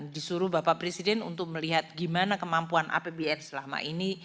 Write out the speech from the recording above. disuruh bapak presiden untuk melihat gimana kemampuan apbn selama ini